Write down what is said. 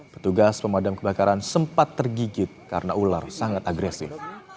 petugas pemadam kebakaran sempat tergigit karena ular sangat agresif